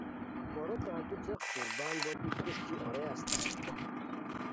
پورو کاردو څیق سربند بوتی کوݰکی اورئے استائے